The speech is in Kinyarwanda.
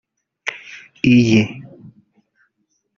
Iyi